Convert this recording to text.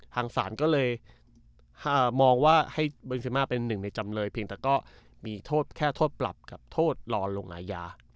ทางศาลก็เลยมองว่าให้เบนซิมาเป็นหนึ่งในจำเลยเพียงแต่ก็มีโทษแค่โทษปรับกับโทษรอลงอาญา